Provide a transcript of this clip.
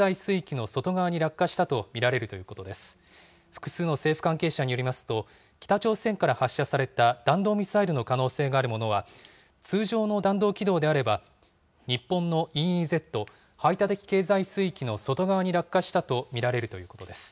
複数の政府関係者によりますと、北朝鮮から発射された弾道ミサイルの可能性があるものは、通常の弾道軌道であれば、日本のＥＥＺ・排他的経済水域の外側に落下したと見られるということです。